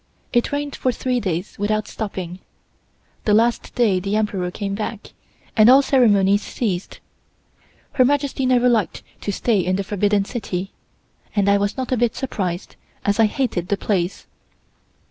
It rained for three days without stopping. The last day the Emperor came back, and all ceremonies ceased. Her Majesty never liked to stay in the Forbidden City, and I was not a bit surprised, as I hated the place.